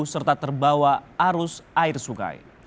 serta terbawa arus air sungai